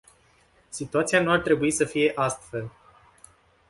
Situația nu ar trebui să fie astfel.